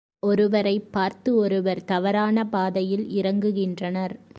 ஒருவரைப் பார்த்து ஒருவர் தவறான பாதையில் இறங்குகின்றனர்.